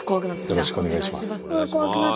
よろしくお願いします。